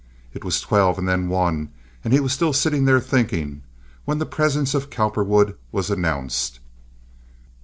It was twelve, and then one, and he was still sitting there thinking, when the presence of Cowperwood was announced.